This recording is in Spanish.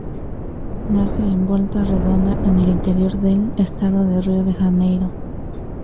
Nace en Volta Redonda, en el Interior del Estado de Río de Janeiro.